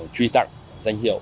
truy tặng danh hiệu